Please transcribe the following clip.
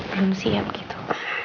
belum siap gitu